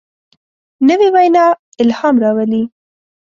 نوې وینا الهام راولي